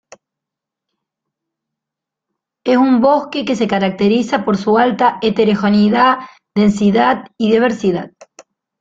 Es un bosque que se caracteriza por su alta heterogeneidad, densidad y diversidad.